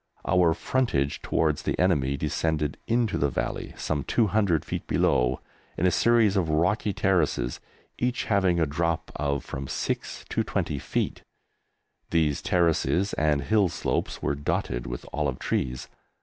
Our frontage towards the enemy descended into the valley, some 200 feet below, in a series of rocky terraces, each having a drop of from six to twenty feet. These terraces and hill slopes were dotted with olive trees.